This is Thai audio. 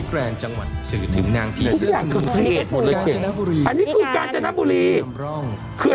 คืออะไรกัญชาเหรอ